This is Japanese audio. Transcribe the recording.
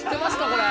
これ。